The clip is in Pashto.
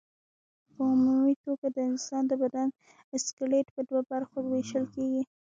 په عمومي توګه د انسان د بدن سکلېټ په دوو برخو ویشل کېږي.